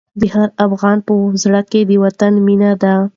د هر افغان په زړه کې د وطن مینه ده.